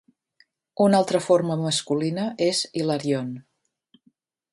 Una altra forma masculina és Hilarion.